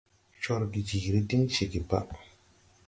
Corge jiiri diŋ ceege pa.